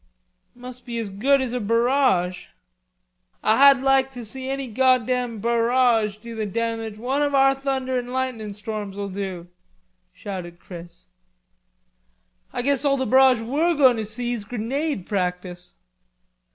"Must be as good as a barrage." "Ah'd like to see any goddam barrage do the damage one of our thunder an' lightnin' storms'll do," shouted Chris. "I guess all the barrage we're going to see's grenade practice."